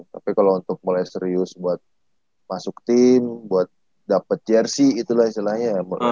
tapi kalo untuk mulai serius buat masuk tim buat dapet jersey itulah istilahnya